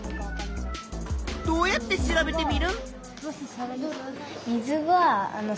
どうやって調べテミルン？